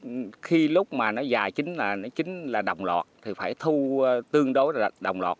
nó khi lúc mà nó dài chính là đồng lọt thì phải thu tương đối là đồng lọt